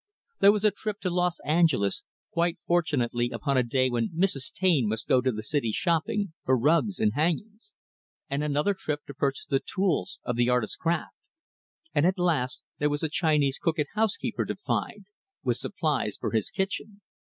There was a trip to Los Angeles quite fortunately upon a day when Mrs. Taine must go to the city shopping for rugs and hangings; and another trip to purchase the tools of the artist's craft. And, at last, there was a Chinese cook and housekeeper to find; with supplies for his kitchen.